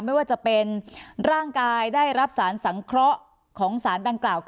ไม่ว่าจะเป็นร่างกายได้รับสารสังเคราะห์ของสารดังกล่าว